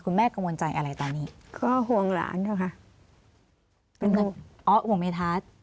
คุณแม่กังวลใจอะไรตอนนี้ก็ห่วงหลานนะคะอ๋อห่วงเมธัศน์